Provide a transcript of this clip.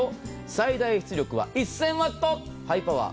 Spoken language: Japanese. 最大出力は１０００Ｗハイパワー。